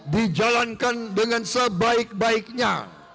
dijalankan dengan sebaik baiknya